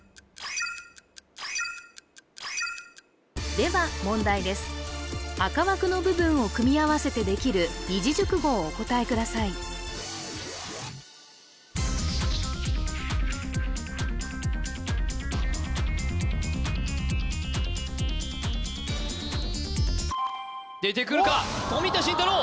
では問題です赤枠の部分を組み合わせてできる二字熟語をお答えください出てくるか冨田信太郎